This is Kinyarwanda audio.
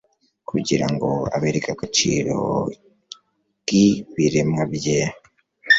kugira ngo abereke agaciro k'ibiremwa bye